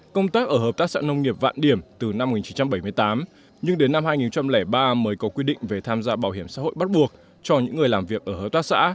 công tác ở hợp tác xã nông nghiệp vạn điểm từ năm một nghìn chín trăm bảy mươi tám nhưng đến năm hai nghìn ba mới có quy định về tham gia bảo hiểm xã hội bắt buộc cho những người làm việc ở hợp tác xã